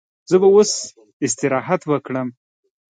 زه به اوس استراحت وکړم.